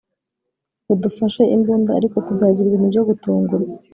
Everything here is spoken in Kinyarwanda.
badufashe imbunda, ariko tuzagira ibintu byo gutungurwa